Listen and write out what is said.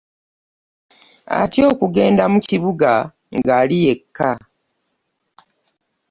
Atya okugenda mu kibuga nga ali yekka.